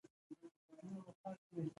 دوی ځینې معبدونه وران کړل